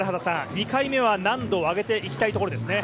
２回目は難度を上げていきたいところですね。